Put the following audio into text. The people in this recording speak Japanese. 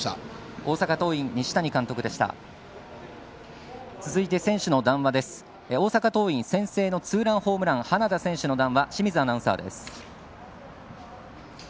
大阪桐蔭、先制のツーランホームラン花田選手の談話です。